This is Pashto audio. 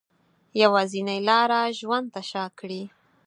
یوازینۍ لاره ژوند ته شا کړي